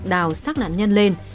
đào xác nạn nhân lên